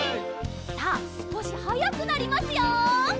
さあすこしはやくなりますよ。